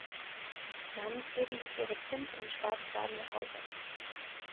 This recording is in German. Namensgebend ist ihre zimt- und schwarz-farbene Haube.